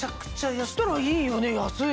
そしたらいいよね安い。